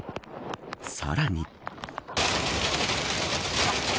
さらに。